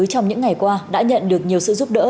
trong những ngày qua đã nhận được nhiều sự giúp đỡ